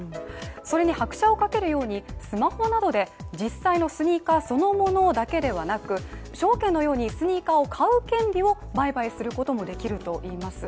それに拍車をかけるようにスマホなどで実際のスニーカーそのものだけではなく、証券のようにスニーカーを買う権利を売買することもできるといいます